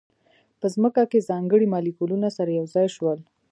په ځمکه کې ځانګړي مالیکولونه سره یو ځای شول.